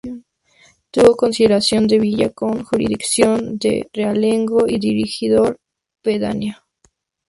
Tuvo consideración de 'Villa', con jurisdicción de realengo y regidor pedáneo.